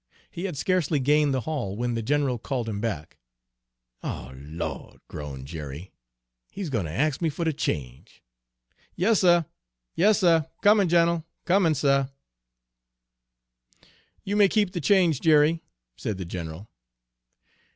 He had scarcely gained the hall when the general called him back. "O Lawd!" groaned Jerry, "he's gwine ter ax me fer de change. Yas, suh, yas, suh; comin', gin'l, comin', suh!" "You may keep the change, Jerry," said the general.